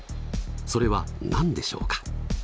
それは何でしょうか？